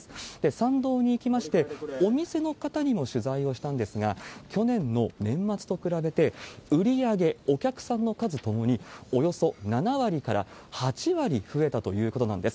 参道に行きまして、お店の方にも取材をしたんですが、去年の年末と比べて売り上げ、お客さんの数ともに、およそ７割から８割増えたということなんです。